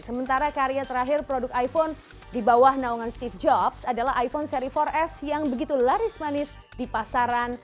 sementara karya terakhir produk iphone di bawah naungan steve jobs adalah iphone seri empat s yang begitu laris manis di pasaran